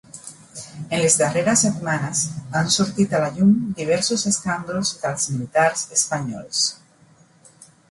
En les darreres setmanes han sortit a la llum diversos escàndols dels militars espanyols.